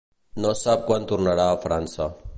No sap quan tornarà a França.